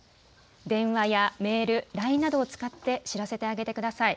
電話やメール、ＬＩＮＥなどを使って知らせてあげてください。